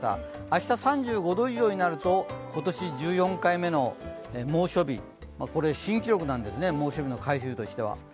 明日３５度以上になると今年１４回目の猛暑日、新記録なんですね、猛暑日の回数としては。